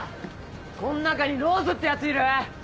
こん中にローズって奴いる？